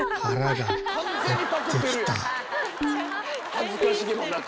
恥ずかしげもなく。